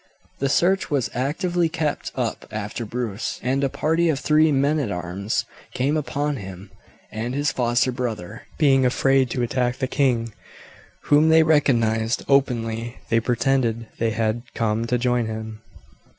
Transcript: The search was actively kept up after Bruce, and a party of three men at arms came upon him and his foster brother. Being afraid to attack the king, whom they recognized, openly, they pretended they had come to join him.